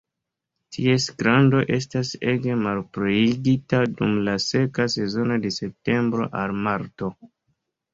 Ties grando estas ege malpliigita dum la seka sezono de septembro al marto.